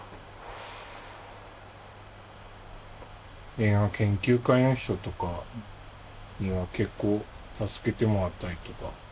映画研究会の人とかには結構助けてもらったりとか。